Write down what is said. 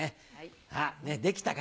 できた方。